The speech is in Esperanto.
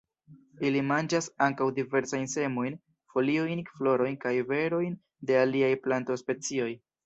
Ili manĝas ankaŭ diversajn semojn, foliojn, florojn kaj berojn de aliaj plantospecioj.